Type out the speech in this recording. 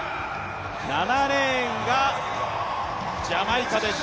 ７レーンがジャマイカです。